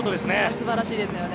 素晴らしいですよね。